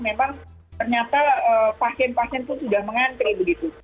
memang ternyata pasien pasien pun sudah mengantri begitu